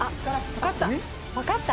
わかった。